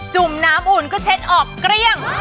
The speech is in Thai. ุ่มน้ำอุ่นก็เช็ดออกเกลี้ยง